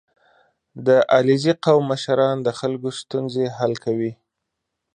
• د علیزي قوم مشران د خلکو ستونزې حل کوي.